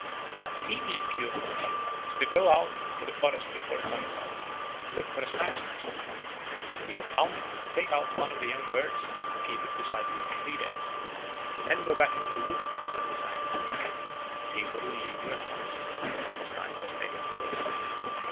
A Bohemian cure for fever is to go out into the forest before the sun is up and look for a snipe's nest. When you have found it, take out one of the young birds and keep it beside you for three days. Then go back into the wood and set the snipe free. The fever will leave you at once. The snipe has taken it away.